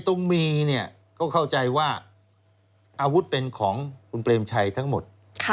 ตรงมีเนี่ยก็เข้าใจว่าอาวุธเป็นของคุณเปรมชัยทั้งหมด